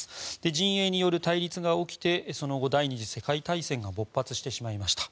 陣営による対立が起きてその後、第２次世界大戦が勃発してしまいました。